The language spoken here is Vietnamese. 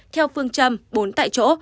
theo phương châm bốn tại chỗ